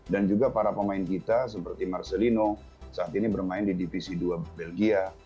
dan juga para pemain kita seperti marcelino saat ini bermain di divisi dua belgia